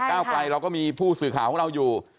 ก้าวไกลเราก็มีผู้สื่อข่าวของเราอยู่